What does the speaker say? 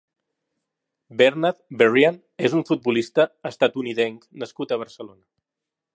Bernard Berrian és un futbolista estatunidenc nascut a Barcelona.